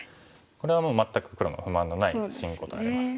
これはもう全く黒の不満のない進行になります。